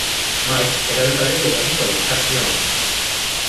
Mike es el padre biológico de Zach Young.